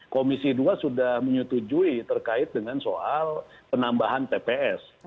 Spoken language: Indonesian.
komisi dua sudah menyetujui terkait dengan soal penambahan tps